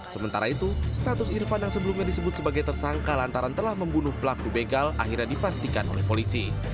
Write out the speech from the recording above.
sementara itu status irfan yang sebelumnya disebut sebagai tersangka lantaran telah membunuh pelaku begal akhirnya dipastikan oleh polisi